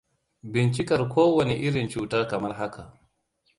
Bincikar kowande irin cuta kamar haka: